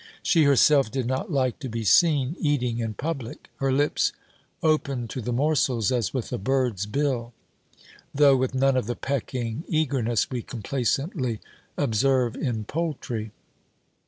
She herself did not like to be seen eating in public. Her lips opened to the morsels, as with a bird's bill, though with none of the pecking eagerness we complacently observe in poultry.